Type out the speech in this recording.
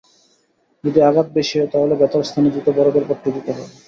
যদি আঘাত বেশি হয়, তাহলে ব্যথার স্থানে দ্রুত বরফের পট্টি দিতে হবে।